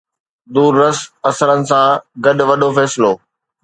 دور رس اثرن سان گڏ وڏو فيصلو.